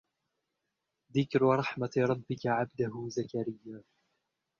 ذكر رحمت ربك عبده زكريا